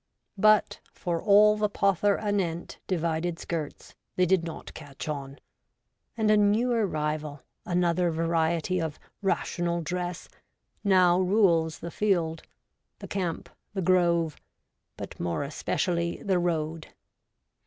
But, for all the pother anent divided skirts, they did not catch on ; and a newer rival, another variety of ' Rational Dress,' now rules the field, the camp, the grove, but more especially the road.